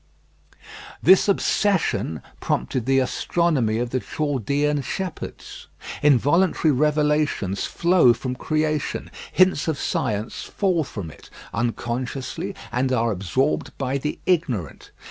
This obsession prompted the astronomy of the Chaldean shepherds. Involuntary revelations flow from creation; hints of science fall from it unconsciously and are absorbed by the ignorant.